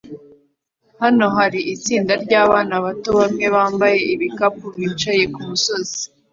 Hano hari itsinda ryabana bato bamwe bambaye ibikapu bicaye kumusozi